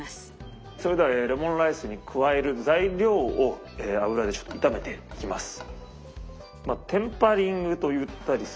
それではえレモンライスに加える材料を油でちょっと炒めていきます。